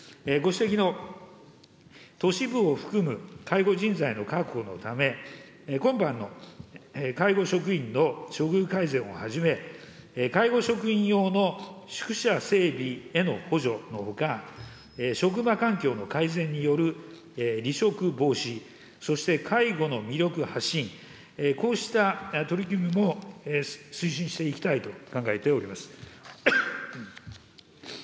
ご指摘の都市部を含む介護人材の確保のため、今般の介護職員の処遇改善をはじめ、介護職員用の宿舎整備への補助のほか、職場環境の改善による離職防止、そして、介護の魅力発信、こうした取り組みも推進していきたいと考えております。